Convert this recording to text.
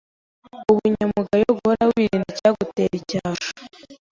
Ubunyangamugayo: guhora wirinda icyagutera icyasha